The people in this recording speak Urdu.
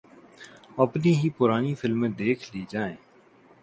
اپنی ہی پرانی فلمیں دیکھ لی جائیں۔